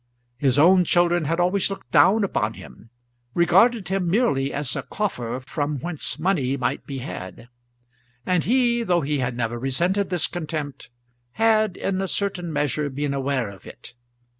His own children had always looked down upon him, regarding him merely as a coffer from whence money might be had; and he, though he had never resented this contempt, had in a certain measure been aware of it.